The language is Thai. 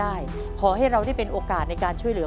ขอให้คุณพระคุ้มครองและมีแต่สิ่งดีเข้ามาในครอบครัวนะครับ